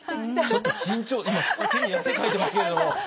ちょっと緊張今手に汗かいてますけど。